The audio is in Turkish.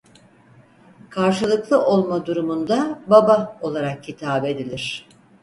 Karşılıklı olma durumunda "baba" olarak hitap edilir.